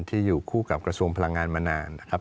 ที่อยู่คู่กับกระทรวงพลังงานมานานนะครับ